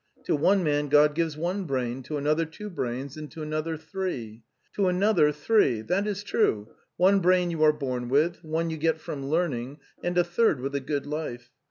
'o one man God gives one brain, to another two brains, and to another three... . To another three, that is true. ... One brain you are born with, one you get from learning, and a third with a good life.